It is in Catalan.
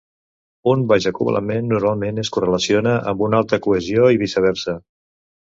Un baix acoblament normalment es correlaciona amb una alta cohesió, i viceversa.